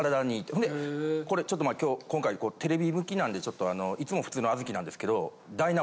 ほんでこれちょっと今日今回テレビ向きなんでいつも普通の小豆なんですけど。